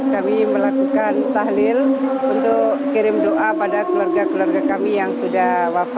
kami melakukan tahlil untuk kirim doa pada keluarga keluarga kami yang sudah wafat